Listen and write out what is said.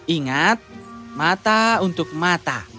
ingat mata untuk mata